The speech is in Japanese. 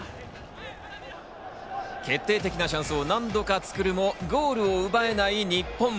決定的なチャンスを何度か作るも、ゴールを奪えない日本。